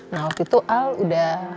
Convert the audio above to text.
nah waktu itu al udah